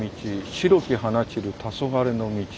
「白き花散るたそがれの径」。